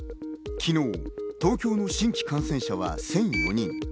昨日、東京の新規感染者は１００４人。